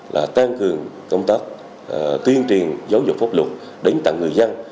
là tăng cường công tác tuyên truyền giáo dục pháp luật đến tặng người dân